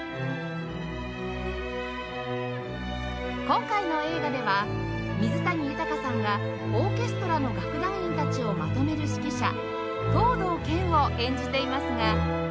今回の映画では水谷豊さんがオーケストラの楽団員たちをまとめる指揮者藤堂謙を演じていますが